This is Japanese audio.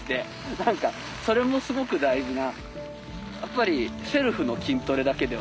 何かそれもすごく大事な。